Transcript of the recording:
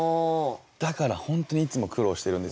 だから本当にいつも苦労してるんですよ。